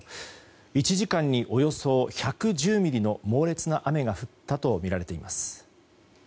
１時間におよそ１１０ミリの猛烈な雨が降ったとみられています。